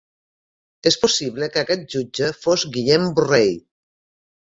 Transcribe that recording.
És possible que aquest jutge fos Guillem Borrell.